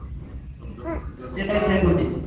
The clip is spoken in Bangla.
এটাই শেষ গুলি।